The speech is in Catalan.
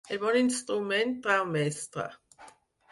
El bon instrument trau mestre.